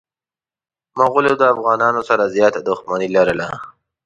مغولو د افغانانو سره زياته دښمني لرله.